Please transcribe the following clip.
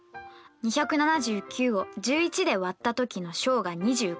２７９を１１でわったときの商が２５。